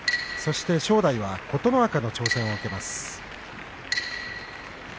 正代は琴ノ若の挑戦を受けます。